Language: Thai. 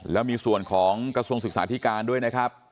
แล้วมีส่วนของกระทรวงศึกษาธิการด้วยนะครับ